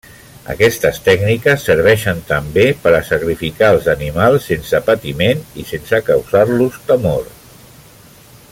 Aquestes tècniques serveixen també per a sacrificar els animals sense patiment i sense causar-los temor.